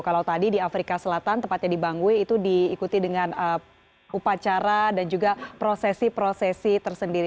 kalau tadi di afrika selatan tepatnya di bangwe itu diikuti dengan upacara dan juga prosesi prosesi tersendiri